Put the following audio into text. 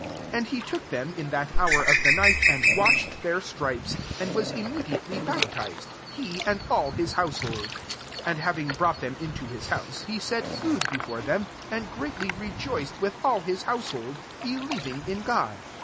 33 And he took them, in that hour of the night, and washed their itripes; and was immediately baptized, he and all his house ioid. 34 And having brought hem into his house, he set food >efore them, and greatly re oiced with all his household, telieving in God.